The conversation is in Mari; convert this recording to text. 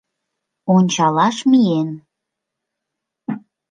Ончалаш миен.